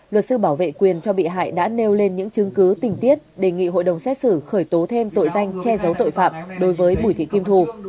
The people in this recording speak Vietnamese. luật sư bảo vệ quyền cho bị hại đã nêu lên những chứng cứ tình tiết đề nghị hội đồng xét xử khởi tố thêm tội danh che giấu tội phạm đối với bùi thị kim thu